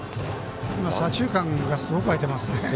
左中間がすごくあいてますね。